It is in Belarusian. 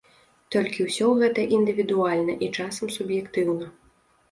Толькі ўсё гэта індывідуальна і часам суб'ектыўна.